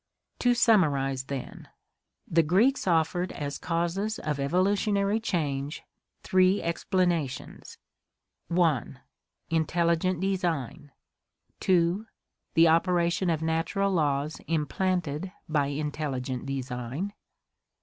To summarize, then, the Greeks offered as causes of evolutionary change three explanations: 1. Intelligent design, 2. The operation of natural laws implanted by intelligent design, 3.